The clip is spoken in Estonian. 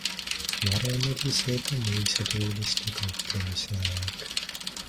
Varem oli see ka mõisatööliste kauplemise aeg.